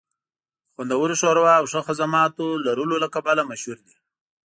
د خوندورې ښوروا او ښه خدماتو لرلو له کبله مشهور دی